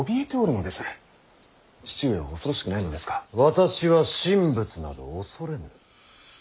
私は神仏など畏れぬ。